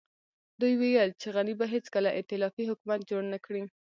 دوی ويل چې غني به هېڅکله ائتلافي حکومت جوړ نه کړي.